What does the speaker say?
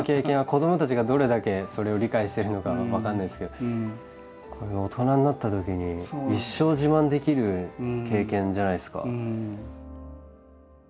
子どもたちがどれだけそれを理解してるのかは分かんないですけどこれ大人になったときに一生自慢できる経験じゃないですか。